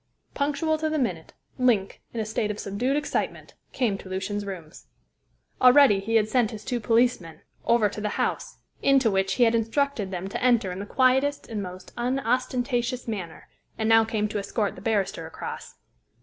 Punctual to the minute, Link, in a state of subdued excitement, came to Lucian's rooms. Already he had sent his two policemen over to the house, into which he had instructed them to enter in the quietest and most unostentatious manner, and now came to escort the barrister across.